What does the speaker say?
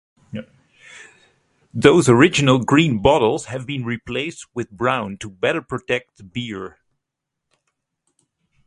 Those original green bottles have been replaced with brown to better protect the beer.